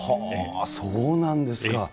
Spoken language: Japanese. そうなんですか。